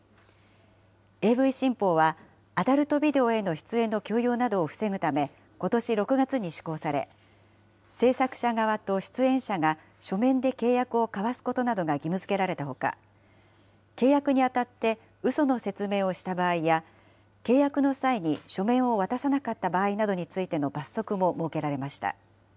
ＡＶ新法は、アダルトビデオへの出演の強要などを防ぐため、ことし６月に施行され、制作者側と出演者が、書面で契約を交わすことなどが義務づけられたほか、契約にあたってうその説明をした場合や、契約の際に書面を渡さなかった場合についての罰則も設けられました。